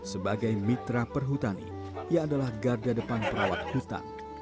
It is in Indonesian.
sebagai mitra perhutani ia adalah garda depan perawat hutan